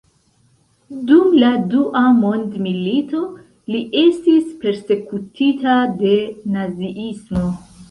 Dum la Dua Mondmilito, li estis persekutita de Naziismo.